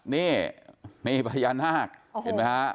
นี่นี่เพียรนาคเห็นไหมคะ